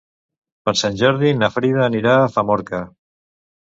Per Sant Jordi na Frida anirà a Famorca.